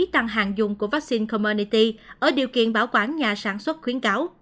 tăng hạn dùng của vaccine cominati ở điều kiện bảo quản nhà sản xuất khuyến cáo